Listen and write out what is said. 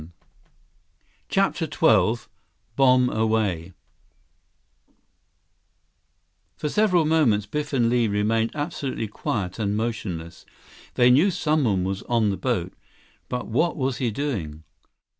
87 CHAPTER XII Bomb Away For several moments Biff and Li remained absolutely quiet and motionless. They knew someone was on the boat. But what was he doing?